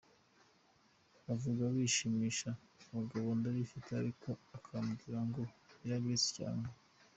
bavuga bishimisha abagabo ndabifite ariko akambwira ngo yarabiretse bwacya.